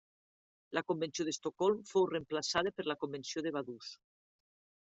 La Convenció d'Estocolm fou reemplaçada per la Convenció de Vaduz.